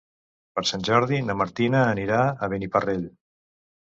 Per Sant Jordi na Martina anirà a Beniparrell.